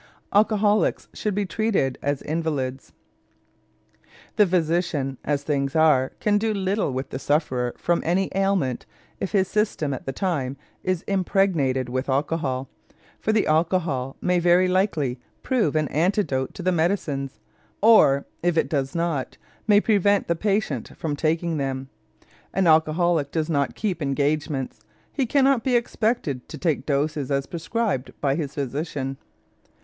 ALCOHOLICS SHOULD BE TREATED AS INVALIDS The physician, as things are, can do little with the sufferer from any ailment if his system at the time is impregnated with alcohol, for the alcohol may very likely prove an antidote to the medicines, or, if it does not, may prevent the patient from taking them. An alcoholic does not keep engagements; he cannot be expected to take doses as prescribed by his physician.